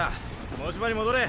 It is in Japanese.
持ち場に戻れ。